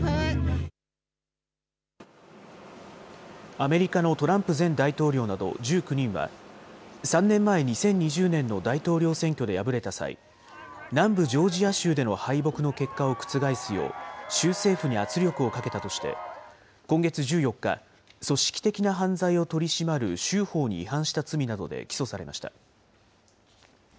アメリカのトランプ前大統領など１９人は、３年前、２０２０年の大統領選挙で敗れた際、南部ジョージア州での敗北の結果を覆すよう州政府に圧力をかけたとして、今月１４日、組織的な犯罪を取り締まる州法に違反した罪などで起訴されました。